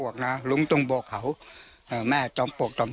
คุดแผดนี้